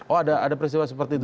oh ada peristiwa seperti itu